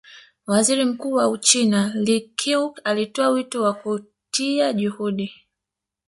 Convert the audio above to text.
Waziri Mkuu wa Uchina Li Keqiang alitoa wito wa kutia juhudi